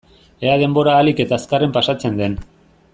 Ea denbora ahalik eta azkarren pasatzen den.